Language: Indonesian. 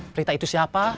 prita itu siapa